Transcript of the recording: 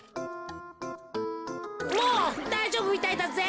もうだいじょうぶみたいだぜ。